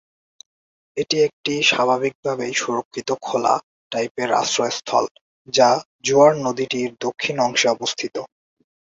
এটি একটি স্বাভাবিকভাবেই সুরক্ষিত খোলা টাইপের আশ্রয়স্থল, যা জুয়ার নদীটির দক্ষিণ অংশে অবস্থিত।